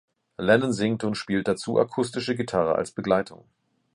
Lennon singt und spielt dazu akustische Gitarre als Begleitung.